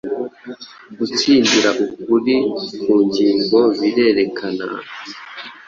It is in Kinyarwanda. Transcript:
Gutsindira ukuri ku ngingo birerekana,